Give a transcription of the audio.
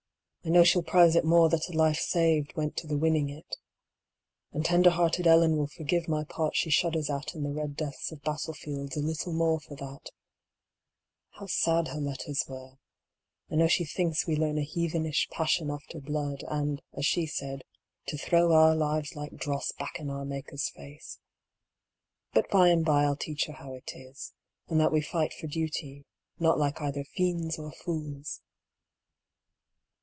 I know she'll prize it more that a life saved went to the winning it. And tenderhearted Ellen will forgive my part she shudders at in the red deaths of battle fields a little more for that — How sad her letters were; I know she thinks we learn a heathenish passion after blood, and, as she said, "to throw our lives like dross back in our Maker's face:" but bye and bye I'll teach her how it is, and that we fight for duty, not like either fiends or fools.